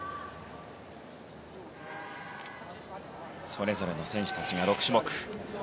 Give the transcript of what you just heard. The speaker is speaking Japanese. それぞれの選手たちが６種目。